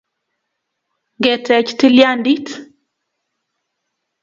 ngeteech tilyandit